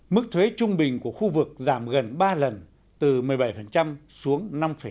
mức thuế trung bình của khu vực giảm gần ba lần từ một mươi bảy xuống năm năm